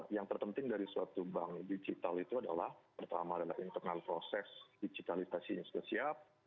yang terpenting dari suatu bank digital itu adalah pertama adalah internal proses digitalisasinya sudah siap